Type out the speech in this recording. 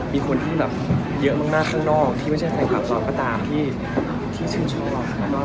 มีคนที่เยอะมากข้างนอกที่ไม่ใช่ใครต่อเปล่าก็ตามที่ชิ้นชอบนะนอน